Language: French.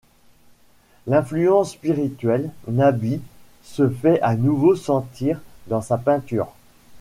L’influence spirituelle nabi se fait à nouveau sentir dans sa peinture.